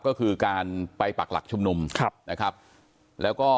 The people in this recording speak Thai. ก็คือการไปปักหลักชุมนุมครับนะครับแล้วก็